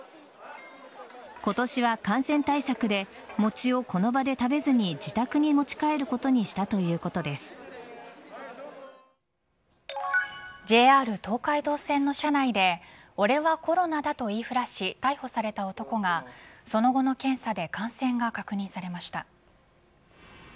今年は感染対策で餅をこの場で食べずに自宅に持ち帰ることにしたＪＲ東海道線の車内で俺はコロナだと言いふらし逮捕された男がその後の検査で感染が確認されました。